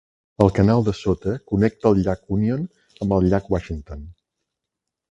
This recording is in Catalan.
El canal de sota connecta el llac Union amb el llac Washington.